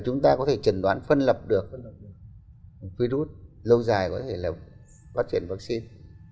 phát triển vắc xin